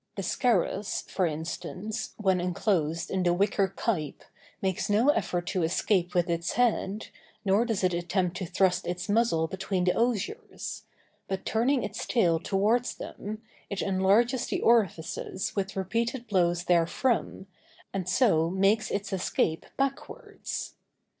The scarus, for instance, when enclosed in the wicker kype, makes no effort to escape with its head, nor does it attempt to thrust its muzzle between the oziers; but turning its tail towards them, it enlarges the orifices with repeated blows therefrom, and so makes its escape backwards.